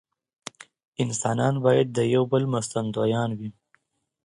انسانان باید د یو بل مرستندویان وي.